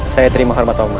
saya terima hormat pak mat